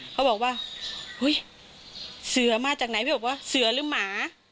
เขาบอกว่าอุ๊ยเสือมาจากไหนพี่บอกว่าเสือหรือหมา